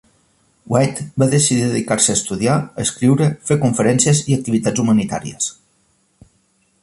Waite va decidir dedicar-se a estudiar, escriure, fer conferències i activitats humanitàries.